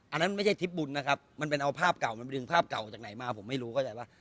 อันนั้นไม่ใช่ทริปบุญนะครับมันเป็นเอาภาพเก่ามันไปดึงภาพเก่าจากไหนมาผมไม่รู้เข้าใจว่า